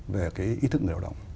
về cái ý thức người lao động